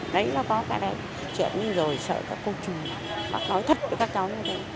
đấy nó có cả đây chuyện rồi sợ các cô chú bác nói thật với các cháu như thế